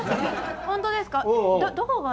本当ですか？